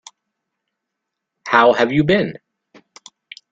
How have you been?